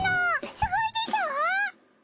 すごいでしょ？